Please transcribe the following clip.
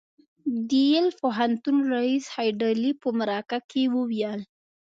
د یل پوهنتون ريیس هيډلي په مرکه کې وویل